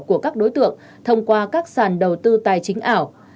của các đối tượng thông qua các sàn đầu tư tài chính ảo